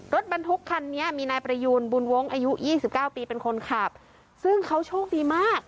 รถบรรทุกคันนี้มีนายประยูนบุญวงอายุยี่สิบเก้าปีเป็นคนขับซึ่งเขาโชคดีมาก